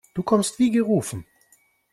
Du kommst wie gerufen.